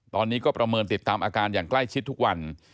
ตอนนี้ก็ประเมินติดตามอาการอย่างใกล้ชิดทุกวัน